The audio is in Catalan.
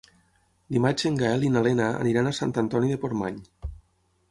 Dimarts en Gaël i na Lena aniran a Sant Antoni de Portmany.